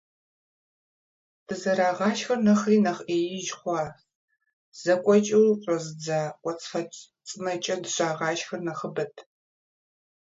Дызэрагъашхэр нэхъри нэхъ Ӏеиж хъуащ: зэкӀуэкӀыу щӀэзыдза кӀуэцӀфэцӀ цӀынэкӀэ дыщагъашхэр нэхъыбэт.